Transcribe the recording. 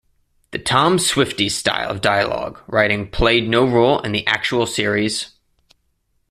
The "Tom Swifties" style of dialogue writing played no role in the actual series.